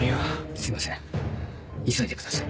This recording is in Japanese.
すいません急いでください。